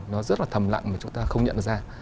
nó rất là thầm lặng mà chúng ta không nhận ra